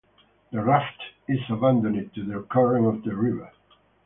The raft is abandoned to the current of the river.